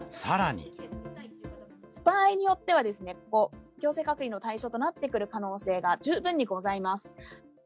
場合によってはですね、ここ、強制隔離の対象となってくる可能性が十分にございます。